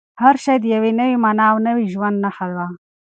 هر شی د یوې نوې مانا او نوي ژوند نښه وه.